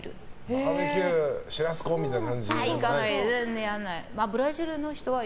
バーベキューシュラスコみたいな。